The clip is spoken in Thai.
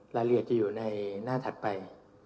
รายละเอียดจะอยู่ในหน้าถัดไป